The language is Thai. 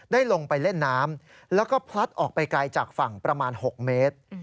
ลงไปเล่นน้ำแล้วก็พลัดออกไปไกลจากฝั่งประมาณ๖เมตร